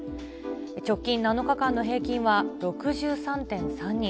直近７日間の平均は６３．３人。